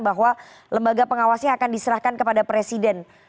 bahwa lembaga pengawasnya akan diserahkan kepada presiden